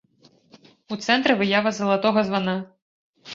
У цэнтры выява залатога звана.